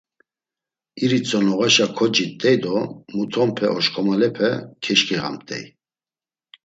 İritzo noğaşa kocit̆ey do mutonpe oşǩomalepe keşǩiğamt̆ey.